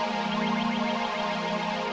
ketemu lagi di film